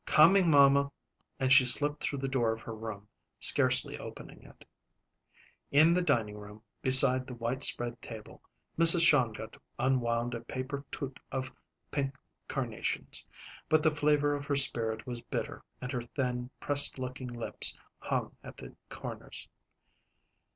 "Coming, mamma." And she slipped through the door of her room, scarcely opening it. In the dining room, beside the white spread table, Mrs. Shongut unwound a paper toot of pink carnations; but the flavor of her spirit was bitter and her thin, pressed looking lips hung at the corners.